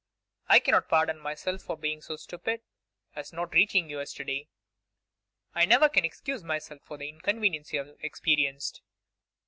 'I cannot pardon myself for being so stupid as not reaching you yesterday. I never can excuse myself for the inconvenience you have experienced.